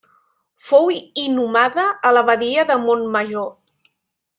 Fou inhumada a l'abadia de Montmajor.